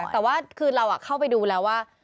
แต่ว่าคือเราเข้าไปดูแล้วว่า